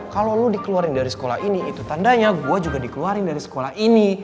kalau lo dikeluarin dari sekolah ini itu tandanya gue juga dikeluarin dari sekolah ini